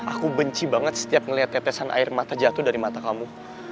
aku benci banget setiap ngeliat tetesan air mata jatuh dari mata kamu